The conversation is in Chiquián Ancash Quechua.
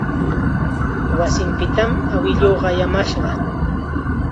Wasinpitam awiluu qayamashqa.